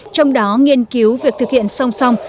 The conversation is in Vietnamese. trong đó nghiên cứu việc thực hiện song song